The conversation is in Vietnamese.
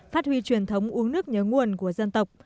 phát huy truyền thống uống nước nhớ nguồn của dân tộc